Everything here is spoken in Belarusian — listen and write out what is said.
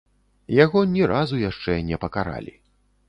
Яго ні разу яшчэ не пакаралі.